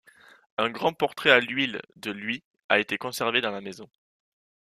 Un grand portrait à l'huile de lui a été conservé dans la maison.